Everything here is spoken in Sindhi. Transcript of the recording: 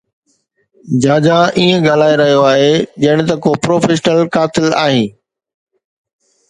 جاجا ائين ڳالهائي رهيو آهي ڄڻ ته ڪو پروفيشنل قاتل آهين